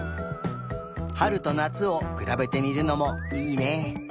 はるとなつをくらべてみるのもいいね。